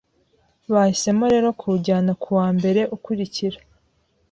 bahisemo rero kuwujyana ku wa mbere ukurikira.